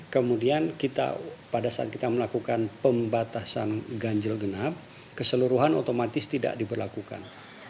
kemudian kita pada saat kita melakukan pembatasan ganjil genap keseluruhan otomatis tidak diberlakukan